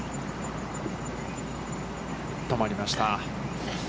止まりました。